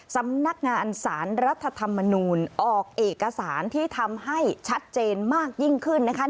สำนักงานสารรัฐธรรมนูลออกเอกสารที่ทำให้ชัดเจนมากยิ่งขึ้นนะคะ